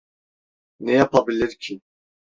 Ne yapabilir ki?